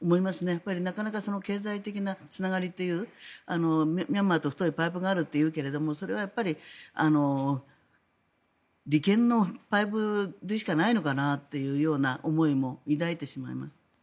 やはりなかなか経済的なつながりというミャンマーと太いパイプがあるというけれどそれはやっぱり利権のパイプでしかないのかなという思いも抱いてしまいます。